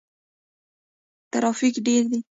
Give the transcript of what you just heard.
ترافیک ډیر وي.